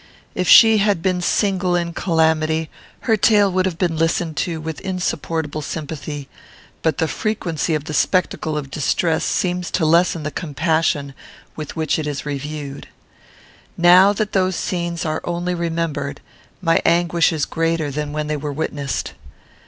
If she had been single in calamity, her tale would have been listened to with insupportable sympathy; but the frequency of the spectacle of distress seems to lessen the compassion with which it is reviewed. Now that those scenes are only remembered, my anguish is greater than when they were witnessed.